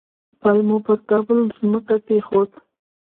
پل مو پر کابل مځکه کېښود.